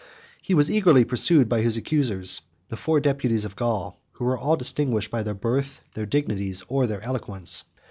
98 He was eagerly pursued by his accusers, the four deputies of Gaul, who were all distinguished by their birth, their dignities, or their eloquence.